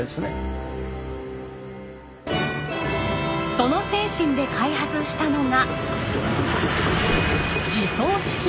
その精神で開発したのが。